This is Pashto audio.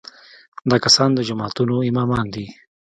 دا کسان د جوماتونو امامان دي.